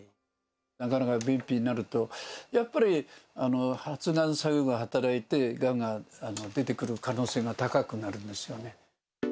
なかなか便秘になると、やっぱり発がん作用が働いて、がんが出てくる可能性が高くなるんですよね。